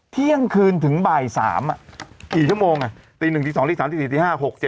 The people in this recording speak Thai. เที่ยงคืนถึงบ่าย๓อ่ะกี่ชั่วโมงตี๑ตี๒ตี๓ตี๔ตี๕๖๗๘๙๑๐๑๑๑๒๑๓